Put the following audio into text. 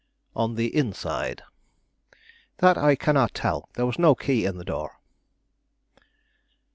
"On the inside?" "That I cannot tell; there was no key in the door."